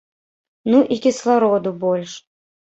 Ну і кіслароду больш.